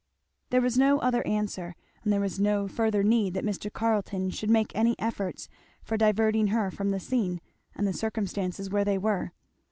There was no other answer; and there was no further need that Mr. Carleton should make any efforts for diverting her from the scene and the circumstances where they were.